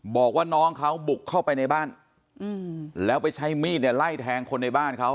บอกว่าน้องเขาบุกเข้าไปในบ้านแล้วไปใช้มีดเนี่ยไล่แทงคนในบ้านเขา